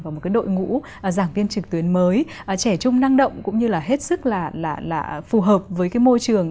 và một cái đội ngũ giảng viên trực tuyến mới trẻ trung năng động cũng như là hết sức là phù hợp với cái môi trường